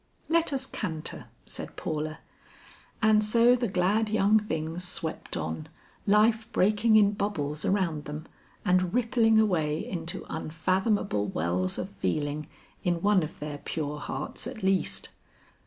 "Let us canter," said Paula. And so the glad young things swept on, life breaking in bubbles around them and rippling away into unfathomable wells of feeling in one of their pure hearts at least.